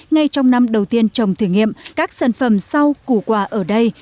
ngay trong năm đầu tiên trồng thử nghiệm các sản phẩm rau củ quả ở đây